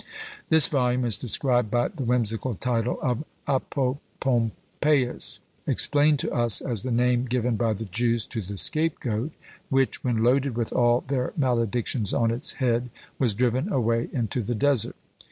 This volume is described by the whimsical title of ApopompÃḊus; explained to us as the name given by the Jews to the scape goat, which, when loaded with all their maledictions on its head, was driven away into the desert.